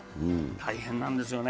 大変なんですよね。